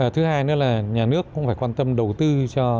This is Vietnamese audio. thứ hai nữa là nhà nước cũng phải quan tâm đầu tư cho